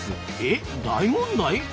え大問題？